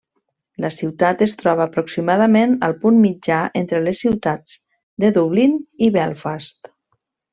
La ciutat es troba aproximadament al punt mitjà entre les ciutats de Dublín i Belfast.